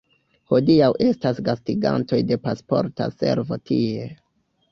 Hodiaŭ estas gastigantoj de Pasporta Servo tie.